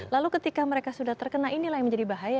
lalu ketika mereka sudah terkena inilah yang menjadi bahaya